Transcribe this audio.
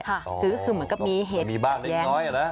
ก็คือเหมือนกับมีเหตุขัดแย้ง